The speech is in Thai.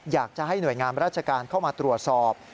อยากจะให้หน่วยงานราชการเข้ามาตรวจสอบ